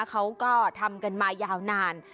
เขาก็ทำกันมายาวนาน